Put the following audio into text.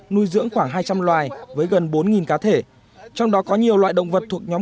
nuôi dưỡng khoảng hai trăm linh loài với gần bốn cá thể trong đó có nhiều loại động vật thuộc nhóm